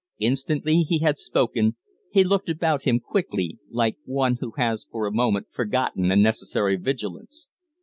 Instantly he had spoken he looked about him quickly, like one who has for a moment forgotten a necessary vigilance.